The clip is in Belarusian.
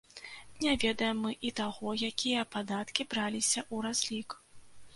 Не ведаем мы і таго, якія падаткі браліся ў разлік.